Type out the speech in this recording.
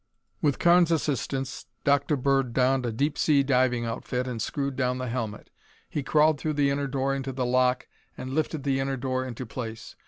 With Carnes' assistance, Dr. Bird donned a deep sea diving outfit and screwed down the helmet. He crawled through the inner door into the lock and lifted the inner door into place.